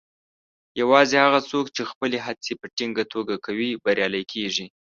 یوازې هغه څوک چې خپلې هڅې په ټینګه توګه کوي، بریالي کیږي.